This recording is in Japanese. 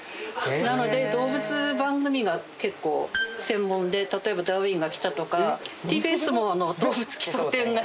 なので動物番組が結構専門で例えば「ダーウィンが来た！」とかＴＢＳも「どうぶつ奇想天外！」